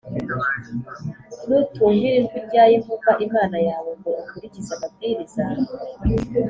“nutumvira ijwi rya yehova imana yawe ngo ukurikize amabwiriza ,